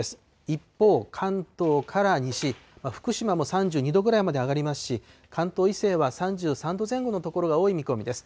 一方、関東から西、福島も３２度ぐらいまで上がりますし、関東以西は３３度前後の所が多い見込みです。